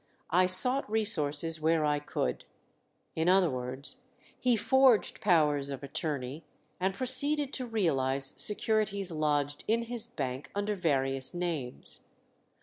I sought resources where I could;" in other words, he forged powers of attorney, and proceeded to realize securities lodged in his bank under various names.